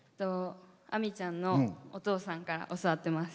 あみちゃんのお父さんから教わってます。